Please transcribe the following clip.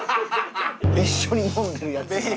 一緒に飲んでるヤツが。